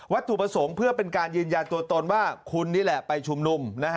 ถูกประสงค์เพื่อเป็นการยืนยันตัวตนว่าคุณนี่แหละไปชุมนุม